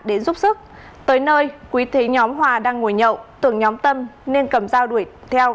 đến giúp sức tới nơi quý thấy nhóm hòa đang ngồi nhậu tưởng nhóm tâm nên cầm dao đuổi theo